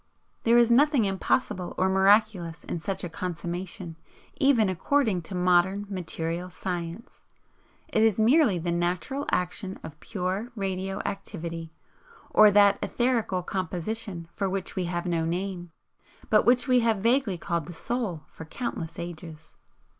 There is nothing impossible or 'miraculous' in such a consummation, even according to modern material science, it is merely the natural action of PURE radio activity or that etherical composition for which we have no name, but which we have vaguely called the SOUL for countless ages.